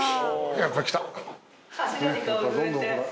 やっぱ来た。